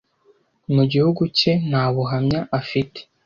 mu gihugu cye nta buhamya afite